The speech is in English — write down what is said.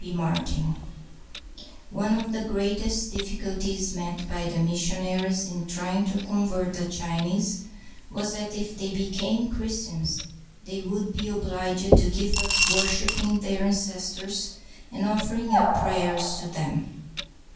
P. MARTIN [One of the greatest difficulties met by the missionaries in trying to convert the Chinese was that if they became Chris tians, they would be obliged to give up worshiping their an cestors and offering up prayers to them.